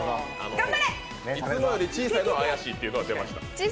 いつもより小さいのは怪しいというのは出ました。